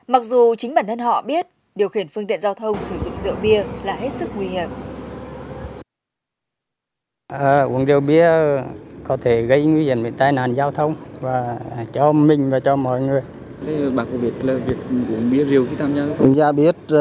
mặc dù chính bản thân họ biết điều khiển phương tiện giao thông sử dụng rượu bia là hết sức nguy hiểm